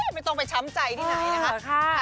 ไม่ต้องไปช้ำใจที่ไหนนะคะ